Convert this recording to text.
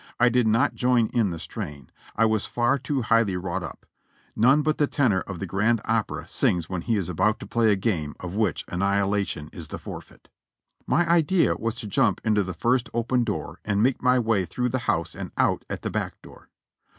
I did not join in the strain, I was far too highly wrought up; none but the tenor of the grand opera sings when he is about to play a game of which annihilation is the forfeit. My idea was to jump into the lirst open door and make my way through the house and out at the back door.